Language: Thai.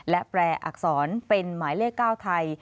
และแปรอักษรเป็นหมายเลข๙ไทย